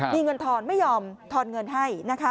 มีเงินทอนไม่ยอมทอนเงินให้นะคะ